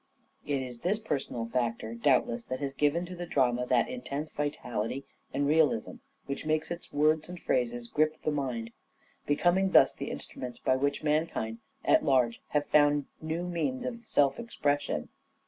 It is this personal factor, doubtless, that has given to the drama that intense vitality and realism which makes its words and phrases grip the mind ; becoming thus the instruments by which mankind at large have found new means of self expression.